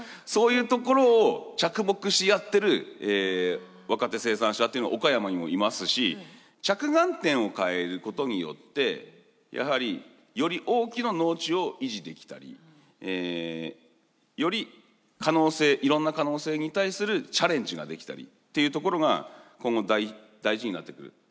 そういうところを着目しやってる若手生産者ってのは岡山にもいますし着眼点を変えることによってやはりより大きな農地を維持できたりより可能性いろんな可能性に対するチャレンジができたりっていうところが今後大事になってくる。